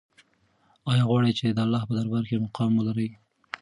آیا غواړې چې د الله په دربار کې مقام ولرې؟